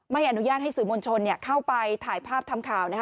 ไม่อนุญาตให้สื่อมวลชนเข้าไปถ่ายภาพทำข่าวนะคะ